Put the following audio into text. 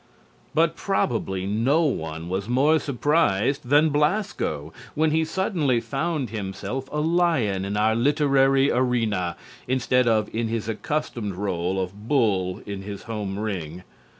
But probably no one was more surprised than Blasco when he suddenly found himself a lion in our literary arena instead of in his accustomed rôle of bull in his home ring.